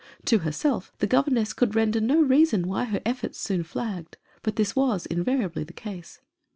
To herself the governess could render no reason why her efforts soon flagged ; but this was invariably the case.